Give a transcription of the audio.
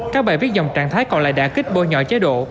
các bài viết dòng trạng thái còn lại đã kích bôi nhỏ chế độ